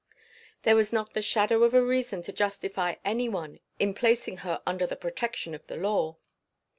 There was not the shadow of a reason to justify any one in placing her under the protection of the law.